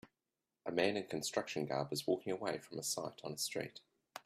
A man in construction garb is walking away from a site on a street.